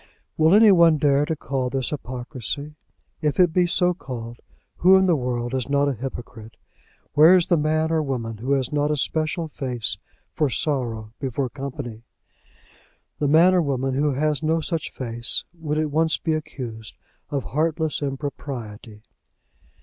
Will any one dare to call this hypocrisy? If it be so called, who in the world is not a hypocrite? Where is the man or woman who has not a special face for sorrow before company? The man or woman who has no such face, would at once be accused of heartless impropriety.